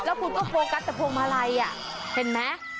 แล้วคุณก็โฟกัสแต่โพงพลัยอ่ะเห็นไหม